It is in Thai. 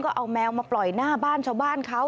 ก็เอาแมวมาปล่อยหน้าบ้านชาวบ้านเขา